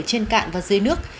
trên cạn và dưới nước